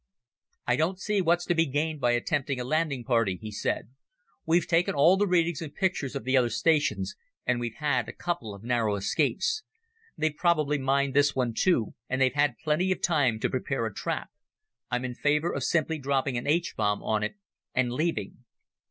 "I don't see what's to be gained by attempting a landing party," he said. "We've taken all the readings and pictures of the other stations and we've had a couple of narrow escapes. They've probably mined this one, and they have had plenty of time to prepare a trap. I'm in favor of simply dropping an H bomb on it and leaving."